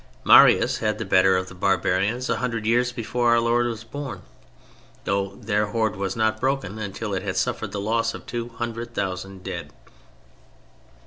Marius had the better of the barbarians a hundred years before Our Lord was born, though their horde was not broken until it had suffered the loss of 200,000 dead.